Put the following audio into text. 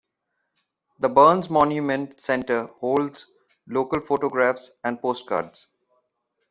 The Burns Monument Centre holds local photographs and postcards.